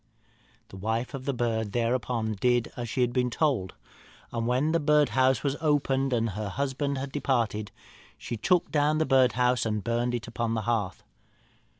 "The wife of the bird, thereupon, did as she had been told; and when the birdhouse was opened, and her husband had departed, she took the birdhouse and burnt it upon the hearth.